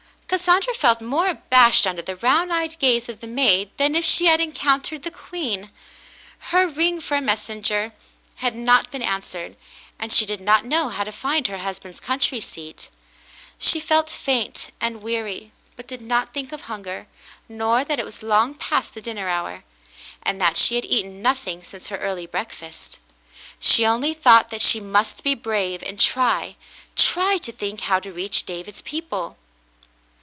Cassandra felt more abashed under the round eyed gaze of the maid than if she had encountered the queen. Her ring for a messenger had not been answered, and she did not know how to find her husband's country seat. She felt faint and weary, but did not think of hunger, nor that it was long past the dinner hour, and that she had eaten nothing since her early breakfast. She only thought that she must be brave and try — try to think how to reach David's people.